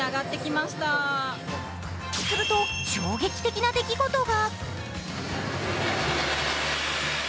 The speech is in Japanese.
すると、衝撃的な出来事が。